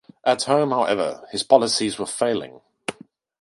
At home, however, his policies were failing.